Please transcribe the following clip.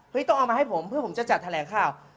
ต้องเอามาให้ผมเพื่อผมจะจัดแถลงข่าว